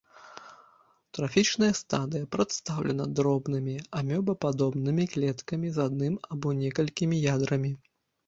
Трафічная стадыя прадстаўлена дробнымі амёбападобнымі клеткамі з адным або некалькімі ядрамі.